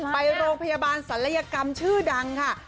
ไปโรงพยาบาลศัลยกรรมชื่อดังค่ะ